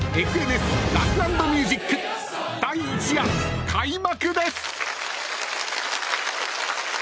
ＦＮＳラフ＆ミュージック第１夜、開幕です。